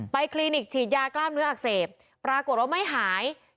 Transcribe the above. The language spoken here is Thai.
คลินิกฉีดยากล้ามเนื้ออักเสบปรากฏว่าไม่หาย